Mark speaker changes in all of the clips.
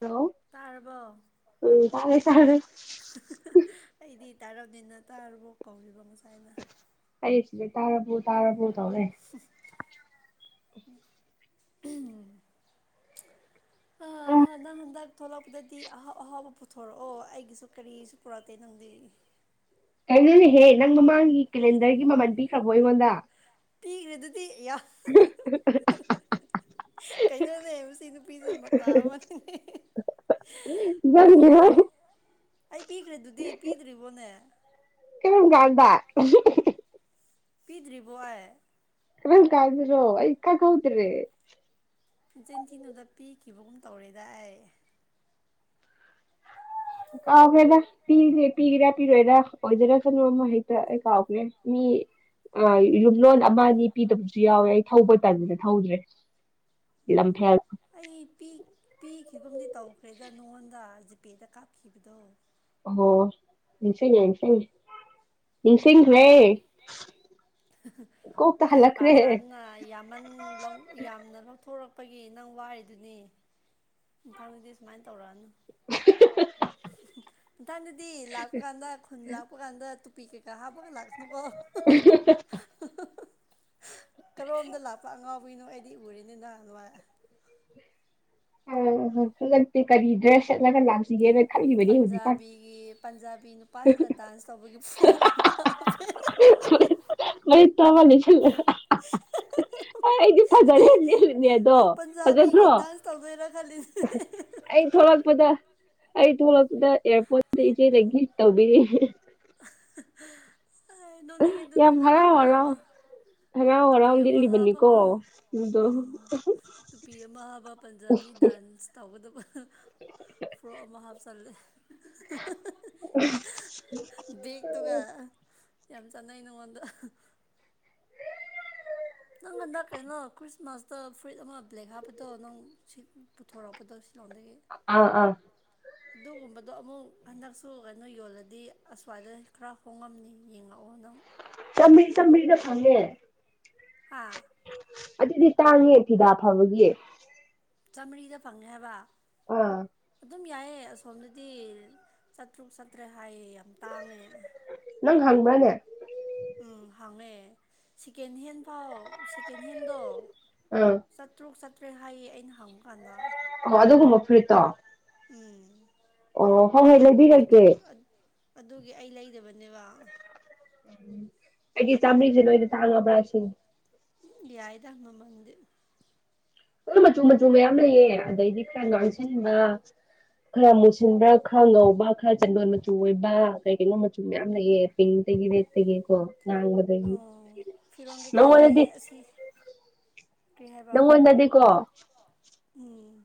Speaker 1: Hello
Speaker 2: ꯇꯥꯔꯕ‌ꯣ
Speaker 1: ꯎꯝ ꯇꯔꯦ ꯇꯔꯦ
Speaker 2: ꯑꯩꯗꯤ ꯇꯥꯔꯝꯅꯤꯅ ꯇꯥꯔꯔꯕꯣ ꯀꯧꯔꯤꯕ ꯉꯁꯥꯏꯅ
Speaker 1: ꯑꯩ ꯁꯤꯁꯦ ꯇꯥꯔꯕ꯭ꯔꯣ ꯇꯥꯔꯕ꯭ꯔꯣ ꯇꯧꯔꯦ
Speaker 2: [unintelligible] ꯎꯝ ꯍꯥ ꯑꯍꯥ ꯅꯪ ꯍꯟꯗꯛ ꯊꯣꯛꯂꯛꯄꯗꯗꯤ ꯑꯍꯥꯎ ꯑꯍꯥꯎꯕ ꯄꯨꯊꯣꯔꯛꯑꯣ ꯑꯩꯒꯤꯁꯨ ꯀꯔꯤꯁꯨ ꯄꯨꯔꯛꯇꯦ ꯅꯪꯗꯤ
Speaker 1: ꯀꯩꯅꯣꯅꯦꯍꯦ ꯅꯪ ꯃꯃꯥꯡꯒꯤ ꯀꯦꯂꯦꯟꯗꯔꯒꯤ ꯃꯃꯜ ꯄꯤꯈ꯭ꯔꯕꯣ ꯑꯩꯉꯣꯟꯗ꯫
Speaker 2: ꯄꯤꯒ꯭ꯔꯗꯨꯗꯤ ꯑꯌꯥ [unintelligible] [unintelligible] ꯀꯩꯅꯣꯅꯦ ꯃꯁꯤ ꯅꯨꯄꯤꯁꯦ ꯃꯇꯥ ꯑꯃꯅꯤꯅꯦ꯫
Speaker 1: [unintelligible]
Speaker 2: ꯑꯩ ꯄꯤꯒ꯭ꯔꯦꯗꯨꯗꯤ ꯄꯤꯗ꯭ꯔꯤꯕꯣꯅꯦ꯫
Speaker 1: ꯀꯔꯝꯀꯥꯟꯗ [unintelligible]
Speaker 2: ꯄꯤꯗ꯭ꯔꯤꯕꯣ ꯑꯩ
Speaker 1: ꯀꯥꯗꯔꯣ ꯏꯀꯥ ꯀꯧꯇꯔꯦ
Speaker 2: ꯆꯤꯟꯊꯤꯗꯨꯣꯗ ꯄꯤꯈꯤꯕꯒꯨꯝ ꯇꯧꯔꯦꯗ ꯑꯩ
Speaker 1: ꯑ ꯐꯦꯗ ꯄꯤꯔ ꯄꯤꯔ ꯄꯤꯔꯦꯗ ꯑꯣꯏꯖꯔꯀꯅꯨ ꯑꯃ ꯍꯦꯛꯇ ꯑꯩ ꯀꯥꯎꯒ꯭ꯔꯦ ꯃꯤ ꯑ ꯂꯣꯟ ꯑꯃ ꯑꯅꯤ ꯄꯤꯗꯕꯁꯨ ꯌꯥꯎꯋꯦ ꯑꯩ ꯊꯧꯕ ꯇꯁꯤꯗ ꯊꯧꯗ꯭ꯔꯦ ꯂꯝꯐꯦꯜ
Speaker 2: ꯑꯩ ꯄꯤꯈꯤꯕꯨꯝꯗꯤ ꯇꯧꯈ꯭ꯔꯦꯗ ꯅꯉꯣꯟꯗ ꯖꯤꯄꯦꯗ ꯀꯥꯞꯈꯤꯕꯗꯣ
Speaker 1: ꯑꯣ ꯏꯁꯦ ꯏꯁꯥꯏꯦ ꯅꯤꯡꯁꯤꯡꯈ꯭ꯔꯦ ꯀꯣꯛꯇ ꯍꯜꯂꯛꯈ꯭ꯔꯦ
Speaker 2: [unintelligible] ꯌꯥꯝ ꯃꯟ ꯂꯧ ꯌꯥꯝꯅ ꯂꯧꯊꯣꯔꯛꯄꯒꯤ ꯅꯪ ꯋꯥꯔꯤꯗꯨꯅꯤ ꯃꯊꯪꯗꯗꯤ ꯁꯨꯃꯥꯏꯅ ꯇꯧꯔꯛꯑꯅꯨ꯫ [unintelligible] ꯂꯤꯇꯥꯟꯗꯗꯤ ꯂꯥꯞꯄ ꯀꯥꯟꯗ ꯈꯨꯟ ꯂꯥꯞꯄ ꯀꯥꯟꯗ ꯄꯤꯛ ꯀꯩ ꯀꯥꯪ ꯍꯥꯞꯄꯒ ꯂꯥꯛꯁ ꯅꯨꯀꯣ꯫
Speaker 1: [unintelligible]
Speaker 2: ꯀꯔꯣꯝꯗ ꯂꯥꯛꯄ ꯑꯉꯥꯎꯕꯤꯅꯣ ꯑꯩꯗꯤ ꯎꯔꯦꯅꯤ ꯅꯍꯥꯟꯋꯥꯏ ꯫
Speaker 1: ꯑ ꯅꯠꯇꯦ ꯀꯔꯤ ꯗ꯭ꯔꯦꯁ ꯁꯠꯂꯒ ꯂꯥꯛꯁꯤꯒꯦꯅ ꯈꯜꯂꯤꯕꯅꯤ ꯍꯧꯖꯤꯛꯀꯥꯟ
Speaker 2: ꯄꯟꯖꯥꯕꯤꯒꯤ ꯄꯟꯖꯥꯕꯤ ꯅꯨꯄꯥꯁꯤꯡꯅ ꯗꯥꯟꯁ ꯇꯧꯕꯒꯤ ꯄ꯭ꯔꯣ ꯃꯥꯜꯂꯦ [unintelligible]
Speaker 1: [unintelligible] ꯑꯩꯗꯤ ꯐꯖ
Speaker 2: ꯍꯥꯏꯗꯤ
Speaker 1: [unintelligible]
Speaker 2: ꯄꯟꯖꯥꯕꯤꯒꯤ ꯗꯥꯟꯁ ꯇꯧꯗꯣꯏꯔ ꯈꯜꯂꯤ [unintelligible]
Speaker 1: ꯑꯩ ꯊꯣꯛꯂꯛꯄꯗ ꯑꯩ ꯊꯣꯛꯂꯛꯄꯗ ꯑꯦꯌꯥꯔꯄꯣꯔꯠꯇ ꯏꯆꯦꯗꯒꯤ ꯇꯧꯕꯤꯔ [unintelligible]
Speaker 2: [unintelligible] ꯅꯣꯛꯅꯤꯡꯉꯦ ꯑꯗꯨ
Speaker 1: ꯌꯥꯝ
Speaker 2: ꯅꯣꯏꯗ
Speaker 1: ꯍꯔꯥꯎ
Speaker 2: ꯇꯨꯞꯄꯤ
Speaker 1: ꯍꯔꯥꯎ
Speaker 2: ꯑꯃ
Speaker 1: ꯍꯔꯥꯎ
Speaker 2: ꯇꯨꯄꯤ
Speaker 1: ꯍꯔꯥꯎ
Speaker 2: ꯑꯃ
Speaker 1: ꯂꯤꯠꯂꯤꯕꯅꯤꯀꯣ
Speaker 2: ꯍꯥꯞꯄꯒ
Speaker 1: ꯑꯗꯨꯗꯣ
Speaker 2: ꯎꯝ ꯇꯨꯄꯤ ꯑꯃ ꯍꯥꯞꯄꯒ ꯄꯟꯖꯥꯕꯤ ꯗꯥꯟꯁ ꯇꯧꯒꯗꯕ ꯐꯣꯔꯣꯛ ꯑꯃ ꯍꯥꯞꯆꯜꯂꯦ꯫ [unintelligible] ꯕꯦꯛꯇꯨꯒ ꯌꯥꯝ ꯆꯥꯟꯅꯩ ꯅꯉꯣꯟꯗ ꯅꯪ ꯍꯟꯗꯛ ꯀꯩꯅꯣ ꯈ꯭ꯔꯤꯁꯃꯥꯁꯇ ꯐꯨꯏꯠ ꯑꯃ ꯕ꯭ꯂꯦꯛ ꯍꯥꯞꯄꯗꯣ ꯅꯪ ꯄꯨꯊꯣꯔꯛꯄꯗꯣ ꯁꯤꯂꯣꯡꯗꯒꯤ
Speaker 1: ꯑꯥ ꯑꯥ
Speaker 2: [unintelligible] ꯑꯗꯨꯒꯨꯝꯕꯗꯣ ꯑꯃꯨꯛ ꯍꯟꯗꯛꯁꯨ ꯀꯩꯅꯣ ꯌꯣꯜꯂꯗꯤ ꯑꯁ꯭ꯋꯥꯏꯗ ꯈꯔ ꯍꯣꯡꯉꯝꯅꯤ ꯌꯦꯡꯉꯛꯑꯣ ꯅꯪ꯫
Speaker 1: ꯆꯝꯍꯔꯤ ꯆꯥꯝꯃꯔꯤꯗ ꯐꯪꯉꯦ꯫
Speaker 2: ꯍꯥꯥ
Speaker 1: ꯑꯗꯨꯗꯤ ꯇꯥꯡꯉꯦ ꯐꯤꯗꯥ ꯐꯕꯒꯤ꯫
Speaker 2: ꯆꯥꯝꯃꯔꯤꯗ ꯐꯪꯉꯦ ꯍꯥꯏꯕ꯫
Speaker 1: ꯑ
Speaker 2: ꯑꯗꯨꯝ ꯌꯥꯏꯌꯦ ꯑꯁꯣꯝꯗꯗꯤ ꯆꯥꯇ꯭ꯔꯨꯛ ꯆꯠꯇ꯭ꯔꯦꯠ ꯍꯥꯏꯌꯦ ꯌꯥꯝ ꯇꯥꯡꯉꯦ꯫
Speaker 1: ꯅꯪ ꯍꯪꯕ꯭ꯔꯅꯦ꯫
Speaker 2: ꯎꯝ ꯍꯥꯡꯉꯦ ꯁꯦꯀꯦꯟ ꯍꯦꯟꯐꯥꯎ ꯁꯦꯀꯦꯟ ꯍꯦꯟꯗꯣ
Speaker 1: ꯑꯥ
Speaker 2: ꯆꯥꯠꯇ꯭ꯔꯨꯛ ꯆꯥꯠꯇ꯭ꯔꯦ ꯍꯥꯏꯌꯦ ꯑꯩꯅ ꯍꯪꯕ ꯀꯥꯟꯗ
Speaker 1: ꯑꯣ ꯑꯗꯨꯒꯨꯝꯕ ꯐ꯭ꯨꯔꯤꯠꯇꯣ
Speaker 2: ꯎꯝ
Speaker 1: ꯍꯣꯏ
Speaker 2: ꯑꯗꯨ
Speaker 1: ꯂꯩꯕꯤꯔꯛꯀꯦ
Speaker 2: ꯑꯗꯨꯒꯤ ꯑꯩ ꯂꯩꯗꯕꯅꯦꯕ
Speaker 1: ꯑꯩꯗꯤ ꯆꯝꯃ꯭ꯔꯤꯁꯦ ꯂꯣꯏꯅ ꯇꯥꯡꯉꯕ꯭ꯔꯥ ꯁꯤ
Speaker 2: ꯌꯥꯏꯗꯃ ꯃꯗ
Speaker 1: ꯍꯣꯏ ꯃꯆꯨ ꯃꯆꯨ ꯃꯌꯥꯝ ꯂꯩꯌꯦ ꯑꯗꯩꯗꯤ ꯈꯔ ꯉꯥꯡꯁꯤꯟꯕ ꯈꯔ ꯃꯨꯁꯤꯟꯕ꯭ꯔꯥ ꯈꯔ ꯉꯧꯕ ꯈꯔ ꯆꯦꯟꯗꯣꯟ ꯃꯆꯨ ꯑꯣꯏꯕ ꯀꯩ ꯀꯩꯅꯣ ꯃꯆꯨ ꯃꯌꯥꯝ ꯂꯩꯑ ꯄ ꯇꯒꯤꯗ ꯇꯦꯛꯀꯣ ꯅꯗꯗꯒꯤ
Speaker 2: ꯑꯣ ꯐꯤꯔꯣꯟ ꯀꯩꯀꯥꯗꯤ
Speaker 1: ꯅꯗꯤ
Speaker 2: ꯑꯁꯤ ꯀꯔꯤ ꯍꯥꯏꯕ ꯎꯝ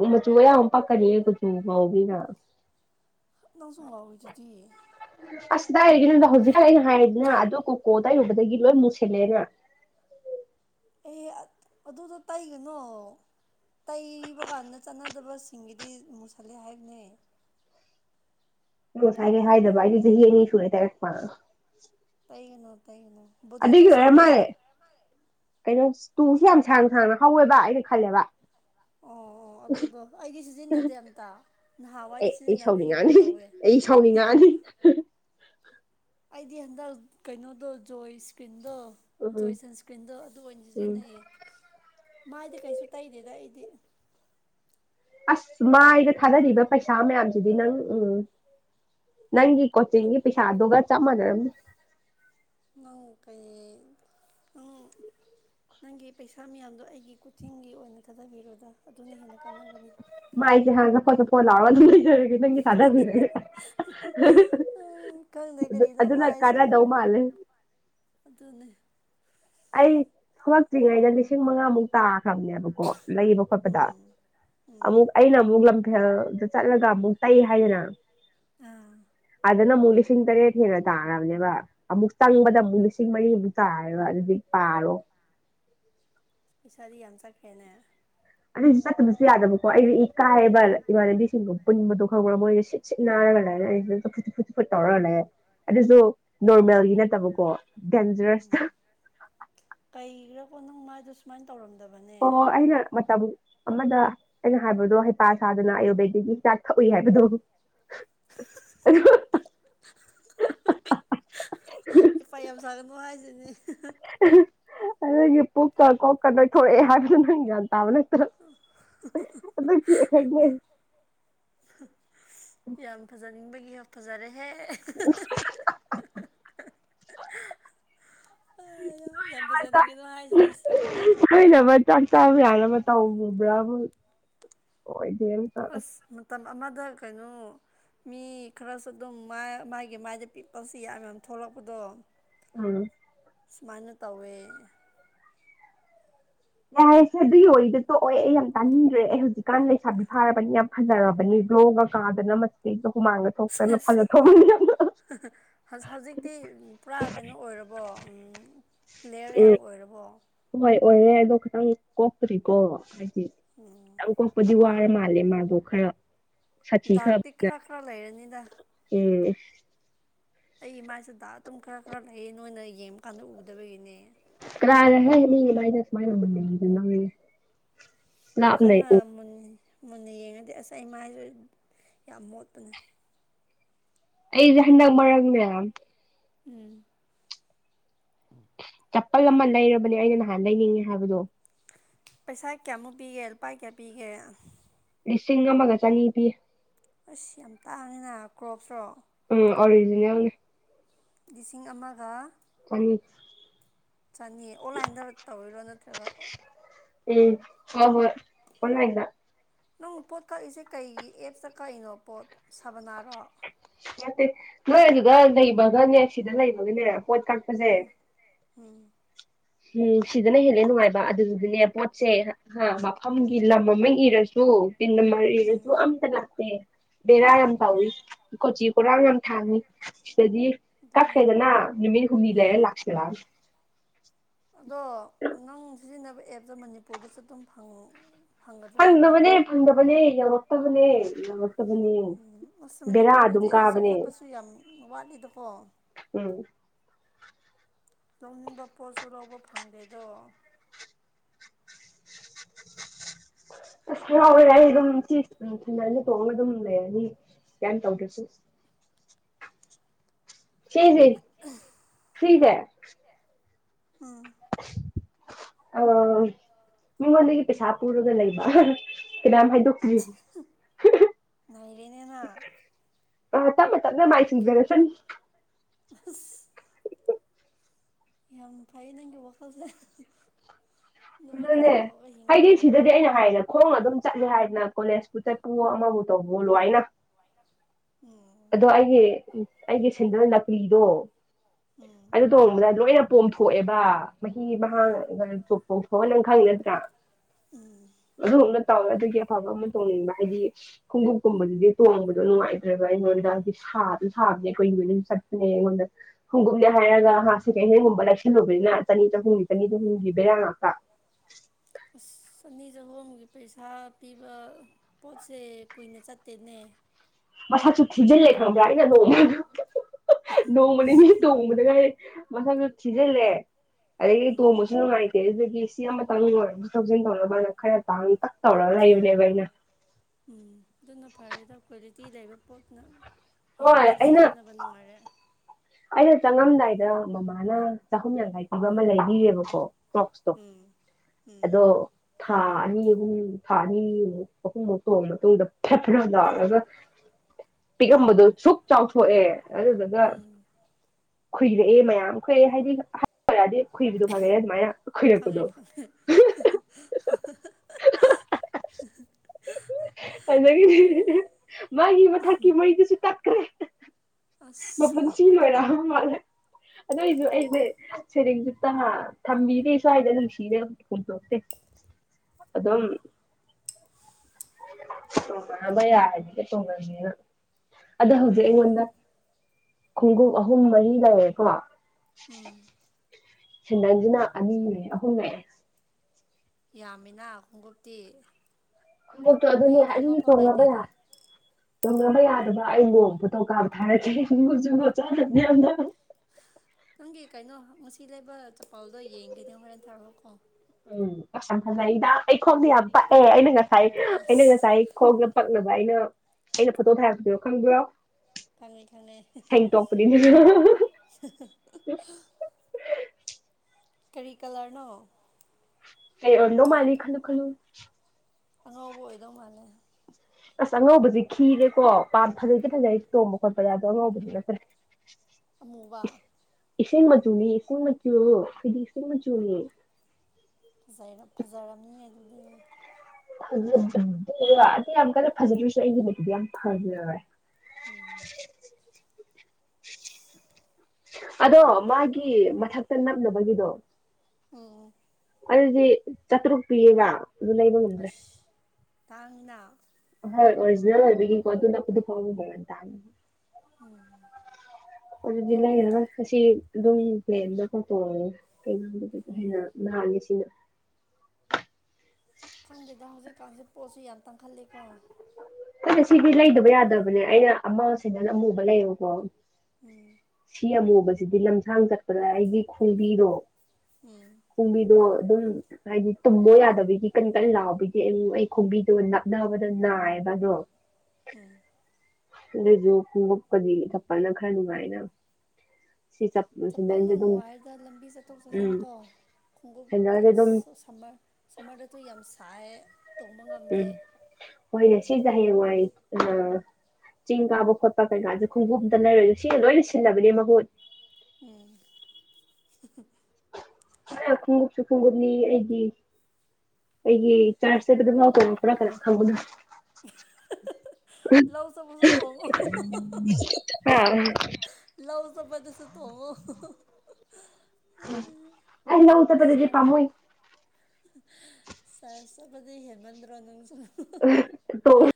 Speaker 1: ꯎꯝ ꯃꯆꯨ ꯑꯌꯥꯝ ꯄꯥꯛꯀꯅꯤꯌꯦ ꯀꯨꯆꯨ ꯉꯧꯃꯤꯅ꯫
Speaker 2: ꯅꯪꯁꯨ ꯉꯧꯔꯤꯗꯨꯗꯤ
Speaker 1: ꯑꯁ ꯀꯗꯥꯏꯗꯒꯤꯅꯣꯗ ꯍꯧꯖꯤꯛꯀꯥꯟ ꯑꯩꯅ ꯍꯥꯏꯔꯤꯗꯅ ꯑꯗꯨ ꯀꯣꯀꯣ ꯇꯩꯔꯨꯕꯗꯒꯤ ꯂꯣꯏꯅ ꯃꯨꯁꯤꯜꯂꯦꯅ
Speaker 2: ꯑꯦ ꯑꯗꯨꯗꯣ ꯇꯩꯒꯅꯣ ꯇꯩꯕ ꯀꯥꯟꯗ ꯆꯥꯟꯅꯗꯕꯁꯤꯡꯒꯤꯗꯤ ꯃꯨꯁꯜꯂꯦ ꯍꯥꯏꯕꯅꯦ
Speaker 1: ꯉꯁꯥꯏꯒꯤ ꯍꯥꯏꯗꯕ ꯑꯩꯗꯤ ꯆꯍꯤ ꯑꯅꯤ ꯁꯨꯔꯦ ꯇꯩꯔꯛꯄ
Speaker 2: ꯇꯩꯒꯅꯣ ꯇꯩꯒꯅꯣ ꯕꯣꯗꯤ
Speaker 1: ꯑꯗꯨꯒꯤ ꯑꯣꯏꯔ
Speaker 2: ꯂꯣꯁꯟ
Speaker 1: ꯃꯥꯜꯂꯦ ꯀꯩꯅꯣ ꯇꯨꯁꯨ ꯌꯥꯝ ꯁꯥꯡ ꯁꯥꯡꯅ ꯍꯧꯋꯦꯕ ꯑꯩꯅ ꯈꯜꯂꯦꯕ
Speaker 2: ꯑꯣ ꯑꯣ ꯑꯗꯨꯗꯣ ꯑꯩꯗꯤ ꯁꯤꯖꯤꯟꯅꯗꯦ ꯑꯝꯇ
Speaker 1: ꯑꯦ
Speaker 2: ꯅꯍꯥꯟꯋꯥꯏꯗꯤ
Speaker 1: ꯑꯩ
Speaker 2: ꯁꯤꯖꯤꯟꯅꯈꯤꯒꯨꯝ
Speaker 1: ꯁꯥꯎꯅꯤꯡꯉꯛꯑꯅꯤ
Speaker 2: ꯇꯧꯋꯦ
Speaker 1: ꯑꯩ ꯁꯥꯎꯅꯤꯡꯉꯛꯑꯅꯤ
Speaker 2: ꯑꯩꯗꯤ ꯍꯟꯗꯛ ꯀꯩꯅꯣꯗꯣ ꯖꯣꯏ ꯏꯁꯀ꯭ꯔꯤꯟꯗꯣ
Speaker 1: ꯎꯝ
Speaker 2: ꯖꯣꯏ ꯁꯟꯁꯀ꯭ꯔꯤꯟꯗꯣ ꯑꯗꯨ ꯑꯣꯏꯅ
Speaker 1: ꯎꯝ
Speaker 2: ꯁꯤꯖꯤꯟꯅꯩꯌꯦ ꯃꯥꯏꯗꯤ ꯀꯩꯁꯨ ꯇꯩꯗꯦꯗ ꯑꯩꯗꯤ
Speaker 1: ꯑꯁ ꯃꯥꯏꯗ ꯊꯥꯗꯔꯤꯕ ꯄꯩꯁꯥ ꯃꯌꯥꯝꯁꯤꯗꯤ ꯅꯪ ꯎꯝ ꯅꯪꯒꯤ ꯀꯣꯆꯤꯡꯒꯤ ꯄꯩꯁꯥꯗꯨꯒ ꯆꯞ ꯃꯥꯟꯅꯔꯝꯅꯤ
Speaker 2: ꯅꯪ ꯀꯥꯏ ꯅꯪ ꯅꯪꯒꯤ ꯄꯩꯁꯥ ꯃꯌꯥꯝꯗꯣ ꯑꯩꯒꯤ ꯀꯣꯆꯤꯡꯒꯤ ꯑꯣꯏꯅ ꯊꯥꯗꯕꯤꯔꯣꯗ ꯑꯗꯨꯅ ꯍꯦꯟꯅ ꯀꯥꯟꯅꯒꯅꯤ
Speaker 1: ꯃꯥꯏꯁꯦ ꯍꯥꯡꯉꯒ ꯆꯐꯣꯠ ꯆꯐꯣꯠ ꯂꯥꯎꯔꯒ ꯑꯗꯨꯝ ꯂꯩꯖꯔꯒꯦ ꯅꯪꯒꯤ ꯊꯥꯗꯕꯤꯔꯒꯦ ꯑꯗꯨ
Speaker 2: ꯈꯪꯗꯦ ꯀꯔꯤꯅꯣ
Speaker 1: ꯑꯗꯨꯅ
Speaker 2: ꯃꯥꯏꯁꯨ
Speaker 1: ꯀꯟꯅꯗꯧ ꯃꯥꯂꯦ
Speaker 2: ꯑꯗꯨꯅꯦ
Speaker 1: ꯑꯩ ꯊꯣꯛꯂꯛꯇ꯭ꯔꯤꯉꯩꯗ ꯂꯤꯁꯤꯡ ꯃꯉꯥꯃꯨꯛ ꯇꯥꯈ꯭ꯔꯕꯅꯦꯕꯀꯣ ꯂꯩꯕ ꯈꯣꯠꯄꯗ
Speaker 2: ꯎꯝ ꯎꯝ
Speaker 1: ꯑꯃꯨꯛ ꯑꯩꯅ ꯑꯃꯨꯛ ꯂꯝꯐꯦꯜꯗ ꯆꯠꯂꯒ ꯑꯃꯨꯛ ꯇꯩ ꯍꯥꯏꯗꯅ
Speaker 2: ꯑꯥ
Speaker 1: ꯑꯗꯅ ꯑꯃꯨꯛ ꯂꯤꯁꯤꯡ ꯇꯔꯦꯠ ꯍꯦꯅ ꯇꯥꯔꯕꯅꯦꯕ ꯑꯃꯨꯛ ꯇꯪꯕꯗ ꯑꯃꯨꯛ ꯂꯤꯁꯤꯡ ꯃꯔꯤꯃꯨꯛ ꯇꯥꯔꯔꯣ ꯑꯗꯨꯗꯤ ꯄꯥꯔꯣ
Speaker 2: ꯄꯩꯁꯥꯗꯤ ꯌꯥꯝ ꯆꯠꯈ꯭ꯔꯦꯅꯦ
Speaker 1: ꯑꯗꯨꯁꯨ ꯆꯠꯇꯕꯁꯨ ꯌꯥꯗꯕꯀꯣ ꯑꯩꯁꯨ ꯏꯀꯥ ꯔꯦꯕ ꯏꯃꯥꯟꯅꯕꯤꯁꯤꯡꯗꯣ ꯄꯨꯟꯕꯗꯣ ꯈꯪꯕ꯭ꯔꯥ ꯃꯣꯏꯁ ꯁꯤꯠ ꯅꯥꯜꯂꯒ ꯂꯩꯔꯦ ꯑꯩꯁꯤꯅ ꯆꯐꯨꯠ ꯆꯐꯨꯠ ꯆꯐꯨꯠ ꯇꯧꯔ ꯂꯩꯔꯦ ꯑꯗꯨꯁꯨ ꯅꯣꯔꯃꯦꯜꯒꯤ ꯅꯠꯇꯕꯀꯣ ꯗꯦꯟꯖꯔꯁꯇ
Speaker 2: ꯀꯩꯈꯔꯦꯀꯣ ꯅꯪ ꯃꯥꯏꯗꯨ ꯁꯨꯃꯥꯏꯅ ꯇꯧꯔꯝꯕꯅꯤ
Speaker 1: ꯑꯣ ꯑꯩ ꯅ ꯃꯇꯝ ꯑꯃꯗ ꯑꯩꯅ ꯍꯥꯏꯕꯗꯣ ꯍꯩꯄꯥ ꯁꯥꯗꯅ ꯑꯥꯌꯔꯕꯦꯗꯤꯛꯀꯤ ꯍꯤꯗꯥꯛ ꯊꯛꯎꯏ ꯍꯥꯏꯕꯗꯣ ꯑꯗꯨ
Speaker 2: ꯍꯩꯄꯥ ꯌꯥꯝ ꯁꯥꯒꯅꯨ ꯍꯥꯏꯁꯤꯅꯤ
Speaker 1: ꯑꯗꯨꯒꯤ ꯄꯨꯣꯛꯀ ꯀꯣꯛꯀ ꯅꯣꯏꯊꯣꯔꯑꯦ ꯍꯥꯏꯕꯗꯨꯣ ꯅꯪ ꯒ꯭ꯌꯥꯟ ꯇꯥꯕ ꯅꯇ ꯑꯗꯨꯗ ꯀ ꯊꯛꯦ
Speaker 2: ꯌꯥꯝ ꯐꯖꯅꯤꯡꯕꯒꯤ ꯌꯥꯝ ꯐꯖꯔꯦꯍꯦ ꯑꯗ ꯌꯥꯝ ꯐꯖꯅꯤꯡꯉꯤꯗꯣ ꯍꯥꯏꯁꯤꯅꯦ ꯁꯤ
Speaker 1: ꯁꯣꯏꯅꯕ ꯆꯥꯛ ꯆꯥꯕ ꯌꯥꯅꯕ ꯇꯧꯕꯕ꯭ꯔꯥꯕꯨ ꯑꯣꯏꯗꯦ
Speaker 2: ꯑꯁ ꯃꯇꯝ ꯑꯃꯗ ꯀꯩꯅꯣ ꯃꯤ ꯈꯔꯁꯨ ꯑꯗꯨꯝ ꯃꯥꯒꯤ ꯃꯥꯏꯗ ꯄꯤꯞꯄꯜꯁ ꯌꯥꯝ ꯌꯥꯝ ꯊꯣꯛꯂꯛꯄꯗꯣ
Speaker 1: ꯑꯝ
Speaker 2: ꯁꯨꯃꯥꯏꯅ ꯇꯧꯋꯦ
Speaker 1: ꯌꯥꯏꯔꯦꯁꯦ ꯑꯗꯨꯒꯤ ꯑꯣꯏꯗ ꯇꯣꯛꯑꯣ ꯑꯩ ꯌꯥꯝ ꯇꯥꯅꯤꯡꯗ꯭ꯔꯦ ꯑꯩ ꯍꯧꯖꯤꯛꯀꯥꯟ ꯂꯩꯁꯥꯕꯤ ꯐꯥꯔꯕꯅꯤ ꯐꯖꯔꯕꯅꯤ ꯒ꯭ꯂꯣꯒ ꯀꯥꯗꯅ ꯃꯆꯩꯒ ꯍꯨꯃꯥꯡꯗ ꯊꯣꯛꯇꯅ ꯐꯅ ꯊꯣꯛꯑꯅꯤ
Speaker 2: ꯍꯧꯖꯤꯛꯇꯤ ꯄꯨꯔꯥ ꯀꯩꯅꯣ ꯑꯣꯏꯔꯕꯣ ꯀ꯭ꯂꯦꯌꯔ
Speaker 1: ꯑꯦ
Speaker 2: ꯌꯥꯝ ꯑꯣꯏꯔꯕꯣ
Speaker 1: ꯍꯣꯏ ꯑꯣꯏꯔꯦ ꯑꯗꯣ ꯈꯤꯇꯪ ꯀꯣꯛꯇ꯭ꯔꯤꯀꯣ ꯍꯥꯏꯗꯤ
Speaker 2: ꯎꯝ
Speaker 1: ꯈꯤꯇꯪ ꯀꯣꯛꯄꯗꯤ ꯋꯥ ꯈꯔ ꯃꯥꯂꯦ ꯃꯥꯕꯨ ꯈꯔ ꯁꯥꯊꯤ
Speaker 2: ꯗꯥꯛꯇꯤ
Speaker 1: ꯈꯔꯅ
Speaker 2: ꯈꯔ ꯈꯔ ꯂꯩꯔꯅꯤꯗ
Speaker 1: ꯎꯝ
Speaker 2: ꯑꯩ ꯃꯥꯏꯁꯨ ꯗꯥꯛ ꯑꯗꯨꯝ ꯈꯔ ꯈꯔ ꯂꯩ ꯅꯣꯏꯅ ꯌꯦꯡꯕ ꯀꯥꯟꯗ ꯎꯗꯕꯒꯤꯅꯦ
Speaker 1: ꯀꯥꯔ ꯍꯦ ꯃꯤꯃꯥꯏꯅ ꯁꯨꯃꯥꯏꯅꯗꯦ
Speaker 2: ꯐꯖꯅ ꯃꯨꯟꯅ ꯃꯨꯟꯅ ꯌꯦꯡꯉꯗꯤ ꯑꯁ ꯏꯃꯥ ꯍꯥꯏꯁꯨ ꯌꯥꯝ ꯃꯣꯠꯄꯅꯦ
Speaker 1: ꯑꯩꯁꯦ ꯍꯟꯗꯛ ꯃꯔꯛ ꯃꯌꯥꯝ
Speaker 2: ꯎꯝ
Speaker 1: ꯆꯄꯜ ꯑꯃ ꯂꯩꯔꯕꯅꯦ ꯑꯩꯅ ꯅꯍꯥꯟ ꯂꯩꯅꯤꯡꯉꯦ ꯍꯥꯏꯕꯗꯣ
Speaker 2: ꯄꯩꯁꯥ ꯀꯌꯥꯃꯨꯛ ꯄꯤꯒꯦ ꯂꯨꯄꯥ ꯀꯌꯥ ꯄꯤꯒꯦ
Speaker 1: ꯂꯤꯁꯤꯡ ꯑꯃꯒ ꯆꯅꯤ ꯄꯤ
Speaker 2: ꯑꯁ ꯌꯥꯝ ꯇꯥꯡꯅꯤꯤꯅ ꯀ꯭ꯔꯣꯞꯇꯣ
Speaker 1: ꯎꯝ ꯑꯔꯣꯏꯂꯤꯅꯤ ꯌꯥꯎꯅꯤ
Speaker 2: ꯂꯤꯁꯤꯡ ꯑꯃꯒ
Speaker 1: ꯆꯅꯤ
Speaker 2: ꯆꯅꯤꯌꯦ ꯑꯣꯟꯂꯥꯏꯟꯗ ꯇꯧꯕꯔꯤꯔꯣ ꯅꯠꯇ꯭ꯔꯒ
Speaker 1: ꯎꯝ ꯍ ꯍꯣꯏ ꯆꯟ ꯍꯥꯏꯗ
Speaker 2: ꯅꯪ ꯄꯣꯠ ꯀꯛꯏꯁꯦ ꯀꯩꯒꯤ ꯑꯦꯞꯇ ꯀꯛꯏꯅꯣ ꯄꯣꯠ ꯁꯥꯕꯅꯥꯔꯣ
Speaker 1: ꯅꯠꯇꯦ ꯅꯣꯏ ꯑꯗꯨꯒ ꯂꯩꯕꯒꯅꯦ ꯁꯤꯗ ꯂꯩꯕꯒꯅꯦ ꯄꯣꯠ ꯀꯛꯄꯁꯦ
Speaker 2: ꯎꯝ
Speaker 1: ꯎꯝ ꯁꯤꯗꯅ ꯍꯦꯟꯅꯦ ꯅꯨꯡꯉꯥꯏꯕ ꯑꯗꯨꯗꯨꯗꯤꯅꯦ ꯄꯣꯠꯁꯦ ꯍꯥ ꯃꯐꯝꯒꯤ ꯂꯝ ꯑꯃ ꯏꯔꯁꯨ
Speaker 2: ꯎꯝ
Speaker 1: ꯋꯥꯔꯤꯁꯨ ꯑꯝꯇ ꯂꯥꯛꯇꯦ ꯕꯦꯔꯥ ꯌꯥꯝ ꯇꯧꯏ ꯀꯣꯆꯤ ꯀꯣꯔꯥꯡ ꯌꯥꯝ ꯊꯥꯡꯏꯤ ꯁꯤꯗꯗꯤ
Speaker 2: ꯑꯗꯨꯅꯦ
Speaker 1: ꯀꯛꯈ꯭ꯔꯦꯗꯅ ꯅꯨꯃꯤꯠ ꯍꯨꯝꯅꯤ
Speaker 2: ꯎꯝ
Speaker 1: ꯂꯩꯔ ꯂꯥꯛꯁꯔꯥ
Speaker 2: ꯑꯗꯣ ꯅꯪ ꯁꯤꯖꯤꯟꯅꯕ ꯑꯦꯞꯇꯣ ꯃꯅꯤꯄꯨꯔꯗꯁꯨ ꯑꯗꯨꯝ ꯐꯪ ꯐꯪꯒꯗ꯭ꯔꯥ ꯍꯥꯏꯕ
Speaker 1: ꯐꯪꯗꯕꯅꯦ ꯐꯪꯗꯕꯅꯦ ꯌꯧꯔꯛꯇꯕꯅꯦ ꯌꯧꯔꯛꯇꯕꯅꯦ
Speaker 2: ꯎꯝ ꯑꯁ
Speaker 1: ꯕꯦꯔꯥ ꯑꯗꯨꯝ
Speaker 2: ꯃꯅꯤꯄꯨꯔꯗꯗꯤ ꯑꯩ
Speaker 1: ꯀꯥꯕꯅꯦ
Speaker 2: ꯆꯥꯎꯈꯠꯄꯁꯨ ꯌꯥꯝ ꯋꯥꯠꯂꯤꯗꯀꯣ
Speaker 1: ꯎꯝ
Speaker 2: ꯂꯧꯧꯅꯤꯡꯕ ꯄꯣꯠꯁꯨ ꯂꯧꯕ ꯐꯪꯗꯦꯗꯣ
Speaker 1: ꯑꯁ ꯌꯥꯔꯥꯎꯋꯦ ꯑꯩ ꯑꯗꯨꯝ ꯁꯤ ꯁꯨꯅꯁꯨ ꯇꯣꯡꯉꯒ ꯑꯗꯨꯝ ꯂꯩꯔꯅꯤ ꯀ ꯇꯧꯗ꯭ꯔꯦꯁꯨ ꯁꯤꯦ ꯁꯤꯁꯦ
Speaker 2: ꯎꯝ
Speaker 1: ꯑ ꯃꯤꯉꯣꯟꯗꯒꯤ ꯄꯩꯁꯥ ꯄꯨꯔꯒ ꯂꯩꯕ ꯀꯗꯥꯝ ꯍꯥꯏꯗꯣꯛꯇ꯭ꯔꯤ
Speaker 2: ꯅꯥꯏꯔꯤꯅꯦꯅꯥ
Speaker 1: ꯑ ꯇꯃꯦ ꯇꯝꯅꯦ ꯃꯥꯥꯏ ꯆꯒꯔꯦꯁ
Speaker 2: ꯍꯁ ꯌꯥꯝ ꯐꯩ ꯅꯪꯒꯤ ꯋꯥꯈꯜꯁꯦ ꯑꯗꯨꯃꯥꯏꯅ
Speaker 1: ꯑꯗꯨꯅꯦ
Speaker 2: ꯆꯥꯎꯊꯣꯛꯑꯒ
Speaker 1: ꯍꯥꯏꯗꯤ
Speaker 2: ꯍꯤꯡꯒꯗꯕꯅꯤ
Speaker 1: ꯁꯤꯗꯗꯤ ꯑꯩꯅ ꯍꯥꯏꯒꯗꯦ ꯈꯣꯡ ꯑꯗꯨꯝ ꯆꯠꯂꯦ ꯍꯥꯏꯗꯅ ꯀꯣꯂꯦꯖꯄꯨ ꯆꯠꯄ ꯑꯃꯕꯨ ꯇꯧꯕ ꯂꯨ ꯑꯅ
Speaker 2: ꯍ
Speaker 1: ꯑꯗꯣ ꯑꯩꯒꯤ ꯑꯩꯒꯤ ꯁꯦꯟꯗꯜ ꯅꯥꯀꯂꯤꯗꯣ
Speaker 2: ꯎꯝ
Speaker 1: ꯑꯩꯗꯣ ꯇꯣꯡꯕꯗꯗ ꯂꯣꯏꯅ ꯄꯣꯝꯊꯣꯛꯑꯦꯕ ꯃꯍꯤ ꯃꯍꯥꯡ ꯆ ꯄꯣꯝꯊꯣꯛꯑ ꯅꯪ ꯈꯪ ꯅꯠꯇ꯭ꯔꯥ
Speaker 2: ꯎꯝ
Speaker 1: ꯃꯔꯨꯞ ꯑꯃ ꯇꯧꯋꯦ ꯑꯗꯨꯒꯤ ꯑꯐꯕ ꯑꯃ ꯇꯣꯡꯅꯤꯡꯕ ꯍꯥꯏꯗꯤ ꯈꯣꯡꯎꯞꯀꯨꯝꯕꯗꯨꯗꯤ ꯇꯣꯡꯕꯗꯣ ꯅꯨꯡꯉꯥꯏꯇ꯭ꯔꯦꯕ ꯑꯩꯉꯣꯟ ꯁꯥꯗꯤ ꯁꯥꯕꯅꯦ ꯀꯨꯢꯅ ꯗꯨꯝ ꯆꯠꯄꯅꯦ ꯑꯩꯉꯣꯟꯗ ꯈꯣꯡꯎꯞꯅꯤ ꯍꯥꯏꯔꯒ ꯍꯥ ꯁꯦꯀꯦꯟ ꯍꯦꯟꯒꯨꯝꯕ ꯂꯩꯁꯜꯂꯨꯕꯅꯤꯅ ꯆꯅꯤ ꯆꯍꯨꯝꯅꯤ ꯆꯅꯤ ꯆꯍꯨꯝꯒꯤ ꯕꯦꯔꯥ ꯉꯥꯛꯇ
Speaker 2: ꯑꯁ ꯆꯅꯤ ꯆꯍꯨꯝꯒꯤ ꯄꯩꯁꯥ ꯄꯤꯕ ꯄꯣꯠꯁꯦ ꯀꯨꯏꯅ ꯆꯠꯇꯦꯅꯦ
Speaker 1: ꯃꯁꯛꯁꯨ ꯊꯤꯖꯤꯜꯂꯦ ꯈꯪꯕ꯭ꯔꯥ ꯑꯩꯅ ꯅꯣꯡꯃ ꯅꯣꯡꯃ ꯅꯤꯅꯤ ꯇꯣꯡꯕ ꯃꯁꯛꯁꯨ ꯊꯤꯖꯤꯜꯂꯦ ꯑꯗꯨꯒꯤ
Speaker 2: ꯎꯝ
Speaker 1: ꯇꯣꯡꯕꯁꯨ ꯅꯨꯡꯉꯥꯏ ꯇꯩꯗꯒꯤ ꯁꯤ ꯑꯃꯇꯪ ꯑꯣꯏꯔꯒ ꯊꯧꯖꯤꯟ ꯇꯧꯅꯕꯅ ꯈꯔ ꯇꯥꯡ ꯇꯛ ꯇꯧꯔꯒ ꯂꯩꯕꯅꯦꯕ ꯑꯩꯅ
Speaker 2: ꯎꯝ ꯑꯗꯨꯅ ꯐꯔꯦꯗ ꯀ꯭ꯋꯥꯂꯤꯇꯤ ꯂꯩꯕ ꯄꯣꯠꯅ
Speaker 1: ꯍꯣꯏ
Speaker 2: ꯍꯦꯟꯅꯁꯨ
Speaker 1: ꯑꯩꯅ
Speaker 2: ꯁꯤꯖꯤꯟꯅꯕ ꯅꯨꯡꯉꯥꯏꯔꯦ
Speaker 1: ꯑꯩꯅ ꯆꯪꯉꯝꯗꯥꯏꯗ ꯃꯃꯥꯅ ꯆꯍꯨꯝ ꯌꯥꯡꯈꯥꯏ ꯄꯤꯕ ꯑꯃ ꯂꯩꯕꯤꯌꯦꯕꯀꯣ
Speaker 2: ꯎꯝ ꯎꯝ
Speaker 1: ꯑꯗꯣ ꯊꯥ ꯑꯅꯤ ꯑꯍꯨꯝ ꯊꯥ ꯑꯅꯤꯃꯨꯛ ꯑꯍꯨꯝ ꯐꯥꯎꯛ ꯇꯣꯡꯑ ꯃꯇꯨꯡꯗ ꯐꯦꯕ꯭ꯔꯥ ꯂꯥꯛꯑꯒ ꯄꯤꯛꯑꯝꯕꯗꯨꯣ ꯁꯁꯨꯛ ꯆꯥꯎꯊꯣꯛꯑꯦ ꯑꯗꯨꯗꯨꯒ
Speaker 2: ꯎꯝ
Speaker 1: ꯈꯨꯨꯏꯔꯛꯑꯦ ꯃꯌꯥꯝ ꯈꯏꯦ ꯍꯥꯏꯗꯤꯛꯗꯤ ꯈꯨꯨꯏꯕꯗꯣ ꯐꯪꯉꯛꯑꯦ ꯑꯗꯨꯃꯥꯏꯅ ꯈꯨꯏꯔꯛꯄꯗꯣ
Speaker 2: ꯈꯉꯩ ꯈꯉꯩ
Speaker 1: ꯑꯗꯨꯗꯒꯤꯗꯤ ꯃꯥꯒꯤ ꯃꯊꯛꯀꯤ ꯃꯩꯗꯨꯁꯨ ꯇꯛꯈ꯭ꯔꯦ
Speaker 2: ꯑꯁ
Speaker 1: ꯔꯂ ꯑꯗꯨꯏꯁꯨ ꯑꯩꯁꯦ ꯁꯩꯔꯦꯡꯁꯨ ꯇ ꯊꯝꯕꯤꯔꯦ ꯁ꯭ꯋꯥꯏꯗ ꯅꯨꯡꯁꯤꯔꯦ ꯍꯨꯟꯗꯣꯛꯇꯦ
Speaker 2: ꯊꯦꯡ
Speaker 1: ꯑꯗꯨꯝ ꯇꯣꯡꯕ ꯑꯃ ꯌꯥ ꯗꯤ ꯇꯣꯡꯉꯅꯤꯅ ꯑꯗꯨ ꯍꯧꯖꯤꯛ
Speaker 2: ꯃꯃꯜ
Speaker 1: ꯑꯩꯉꯣꯟꯗ ꯈꯨꯡꯎꯞ ꯑꯍꯨꯝ ꯃꯔꯤ ꯂꯩꯔꯦꯀꯣ
Speaker 2: ꯎꯝ
Speaker 1: ꯁꯦꯟꯗꯟꯁꯤꯅ ꯑꯅꯤ ꯂꯩ ꯑꯍꯨꯝ ꯂꯩ
Speaker 2: ꯌꯥꯝꯃꯤꯅ ꯈꯣꯡꯎꯞꯇꯤ
Speaker 1: ꯈꯣꯡꯎꯞꯇꯣ ꯑꯗꯨꯅꯤ
Speaker 2: ꯑꯩꯒꯤꯗꯤ
Speaker 1: ꯑꯢꯡ
Speaker 2: ꯑꯃꯐꯥꯎ
Speaker 1: ꯇꯣꯡꯅꯕ
Speaker 2: ꯂꯩꯇꯦꯗ
Speaker 1: ꯌꯥꯢ ꯇꯣꯡꯅꯕ ꯌꯥꯗꯕ ꯑꯩ ꯕꯨ ꯐꯣꯇꯣ ꯀꯥꯕ ꯊꯥꯔꯛꯀꯦ ꯌꯦꯡꯎ ꯖꯨꯒꯣꯠ ꯆꯥꯗꯕꯅꯤ
Speaker 2: ꯎꯝ
Speaker 1: ꯌꯥꯝꯅ
Speaker 2: ꯅꯪꯒꯤ ꯀꯩꯅꯣ ꯉꯁꯤ ꯂꯩꯕ ꯆꯄꯜꯗꯣ ꯌꯦꯡꯒꯅꯦ ꯍꯣꯔꯦꯟ ꯊꯥꯔꯛꯑꯣ ꯀꯣ
Speaker 1: ꯎꯝ ꯑꯁ ꯌꯥꯝ ꯐꯖꯩꯗ ꯑꯩ ꯈꯣꯡꯗ ꯌꯥꯝ ꯄꯛꯑꯦ ꯑꯩꯅ ꯉꯁꯥꯏ ꯑꯩꯅ
Speaker 2: ꯑꯁ
Speaker 1: ꯉꯁꯥꯏ ꯈꯣꯡꯗ ꯄꯛꯅꯕ ꯑꯩꯅ ꯑꯩꯅ ꯐꯣꯇꯣ ꯊꯥꯔꯛꯄꯗꯣ ꯈꯪꯕꯔꯣ
Speaker 2: ꯈꯪꯉꯦ
Speaker 1: ꯁꯦꯡ ꯇꯣꯛꯄꯅꯤꯅ
Speaker 2: ꯍ ꯀꯔꯤ ꯀꯂꯔꯅꯣ
Speaker 1: ꯀꯔꯤ ꯑꯣꯢꯔꯝꯗꯧ ꯃꯥꯂꯤ ꯈꯜꯂꯨ ꯈꯜꯂꯨ
Speaker 2: ꯑꯉꯧꯕ ꯑꯣꯏꯗꯧ ꯃꯥꯜꯂꯦ
Speaker 1: ꯑꯁ ꯑꯉꯧꯕꯁ ꯈꯤꯔꯦꯀꯣ ꯄ ꯐꯖꯩꯗꯤ ꯐꯖꯩ ꯇꯣꯡꯝꯕ ꯈꯣꯠꯄ ꯗ ꯑꯉꯧꯕꯗꯤ ꯅꯠꯇ꯭ꯔꯦ
Speaker 2: ꯑꯃꯨꯕꯥ
Speaker 1: ꯏꯁꯤꯡ ꯃꯆꯨꯅꯤ ꯏꯁꯤꯡ ꯃꯆꯨ ꯑꯈꯣꯢꯗꯤ ꯏꯁꯤꯡ ꯃꯆꯨꯅꯤ
Speaker 2: ꯐꯖꯩ ꯐꯖꯔꯝꯅꯤ ꯑꯗꯨꯗꯤ
Speaker 1: ꯐꯖꯕꯗꯣ ꯌꯥꯝ ꯀꯟꯅ ꯐꯖꯗ꯭ꯔꯁꯨ ꯑꯩꯒꯤꯃꯤꯠꯇꯗꯤ ꯌꯥꯝ ꯐꯖꯔꯦ ꯑꯗꯣ ꯃꯥꯒꯤ ꯃꯊꯛꯇ ꯅꯞꯅꯕꯒꯤꯗꯣ
Speaker 2: ꯑꯣ
Speaker 1: ꯑꯗꯨꯗꯤ ꯆꯥꯇ꯭ꯔꯨꯛ ꯄꯤꯌꯦꯕ ꯑꯗꯨ ꯂꯩꯕ ꯉꯝꯗ꯭ꯔꯦ
Speaker 2: ꯇꯥꯡꯅ
Speaker 1: ꯍꯣꯏ ꯑꯣꯔꯤꯖꯤꯅꯦꯜ ꯑꯣꯏꯕꯒꯤꯀꯣ ꯑꯗꯨ ꯞꯅꯄꯗꯨ ꯐꯥꯎꯕ ꯃꯃꯜ ꯇꯥꯡꯢ ꯑꯗꯨꯗꯤ ꯂꯩꯔꯔꯣꯢ ꯍꯨꯖꯤꯛ ꯑꯗꯨꯝ ꯄ꯭ꯂꯦꯟꯗ ꯗꯨꯝ ꯇꯣꯡꯉꯅꯤ ꯀꯩꯅꯗ
Speaker 2: ꯎꯝ
Speaker 1: ꯍꯦꯟꯅ ꯅꯥꯒꯦ ꯁꯤꯅ
Speaker 2: ꯈꯪꯗꯦꯗ ꯍꯧꯖꯤꯛꯀꯥꯟꯁꯦ ꯄꯣꯠꯁꯨ ꯌꯥꯝ ꯇꯥꯡꯈꯠꯂꯤꯀꯣ
Speaker 1: ꯑꯩꯅ ꯁꯤꯗꯤ ꯂꯩꯗꯕ ꯌꯥꯗꯕꯅꯦ ꯑꯩꯅ ꯑꯃꯁꯤ ꯅ ꯑꯃꯨꯕ ꯂꯩꯕꯀꯣ
Speaker 2: ꯎꯝ
Speaker 1: ꯁꯤ ꯑꯃꯨꯕꯁꯤꯗꯤ ꯂꯝꯁꯥꯡ ꯆꯠꯄꯗ ꯑꯩꯒꯤ ꯈꯣꯡꯕꯤꯔꯣ
Speaker 2: ꯎꯝ
Speaker 1: ꯀꯨꯝꯕꯤꯗꯣ ꯑꯗꯨꯝ ꯍꯥꯏꯗꯤ ꯇꯨꯝꯃ ꯌꯥꯗꯕꯒꯤ ꯀꯔꯤ ꯀꯔꯤ ꯂꯥꯎꯕꯗꯤ ꯑꯩ ꯑꯩ ꯈꯣꯡꯕꯤꯗꯣ ꯅꯞꯅꯕꯗ ꯅꯥꯏꯌꯦꯕ ꯑꯗꯣ
Speaker 2: ꯎꯝ
Speaker 1: ꯑꯗꯨꯁꯨ ꯈꯣꯡꯎꯞꯀꯗꯤ ꯊꯛꯄꯅ ꯈꯔ ꯅꯨꯡꯉꯥꯏꯅ ꯁꯤ ꯆ
Speaker 2: ꯆꯄꯜꯅ ꯅꯨꯡꯉꯥꯏꯔꯦꯗ ꯂꯝꯕꯤ ꯆꯠꯊꯣꯛ ꯆꯠꯁꯤꯟ
Speaker 1: ꯎꯝ
Speaker 2: ꯀꯣ ꯈꯣꯡꯎꯞꯇꯤ
Speaker 1: ꯁꯦꯟꯗꯜꯁꯦ ꯑꯗꯨꯝ
Speaker 2: ꯑꯁ ꯑ ꯁꯝꯃꯔ ꯁꯃꯔꯗ ꯗꯨ ꯌꯥꯝ ꯁꯥꯏꯌꯦ
Speaker 1: ꯎꯝ ꯍꯣꯏꯅꯦ ꯁꯤꯁꯦ ꯍꯌꯦꯡ ꯋꯥꯏ ꯑ ꯆꯤꯡ ꯀꯥꯕ ꯈꯣꯠꯄ ꯀꯩꯀꯥꯥꯁꯦ ꯈꯣꯡꯎꯞꯇ ꯂꯩꯔꯣꯏꯁꯨ ꯁꯤꯅ ꯂꯣꯏ ꯁꯤꯜꯂꯕꯅꯤ ꯃꯍꯨꯠ
Speaker 2: ꯎꯝ
Speaker 1: ꯐꯔꯦ ꯈꯨꯡꯎꯞꯁꯨ ꯈꯨꯡꯎꯞꯅꯤ ꯑꯩꯗꯤ ꯑꯩꯒꯤ ꯆꯥꯔꯖ ꯆꯠꯄꯗꯐꯥꯎ ꯇꯣꯡꯉꯛꯄ꯭ꯔꯥ ꯀꯅꯥ ꯈꯪꯕꯅꯣ
Speaker 2: [unintelligible] ꯆꯠꯄꯁꯨ ꯇꯣꯡꯉꯣ
Speaker 1: [unintelligible] ꯍꯥ
Speaker 2: ꯂꯧ ꯆꯠꯄꯗꯁꯨ ꯇꯣꯡꯉꯣ
Speaker 1: ꯑꯩ ꯂꯧ ꯆꯠꯄꯗꯗꯤ
Speaker 2: ꯁꯥꯔ
Speaker 1: ꯄꯥꯝꯃꯨꯏ
Speaker 2: ꯆ꯭ꯔꯖ ꯆꯠꯄꯗꯤ ꯍꯦꯟꯃꯟꯗ꯭ꯔꯣ ꯅꯪꯁꯨ
Speaker 1: ꯑꯇꯣ